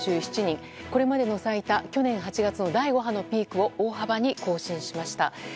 これまでの最多去年８月の第５波のピークを大幅に更新しました。